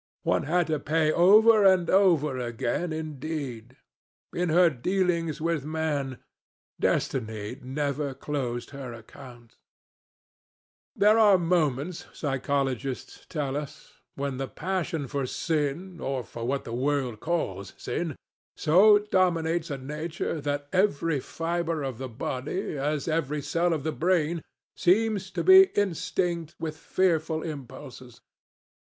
One had to pay over and over again, indeed. In her dealings with man, destiny never closed her accounts. There are moments, psychologists tell us, when the passion for sin, or for what the world calls sin, so dominates a nature that every fibre of the body, as every cell of the brain, seems to be instinct with fearful impulses.